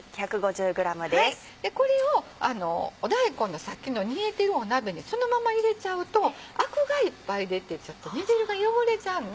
でこれを大根のさっきの煮えてる鍋にそのまま入れちゃうとアクがいっぱい出て煮汁が汚れちゃうのね。